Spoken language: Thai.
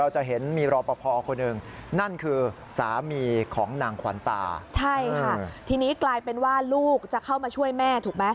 ใช่ค่ะที่นี้กลายเป็นว่าลูกจะเข้ามาช่วยแม่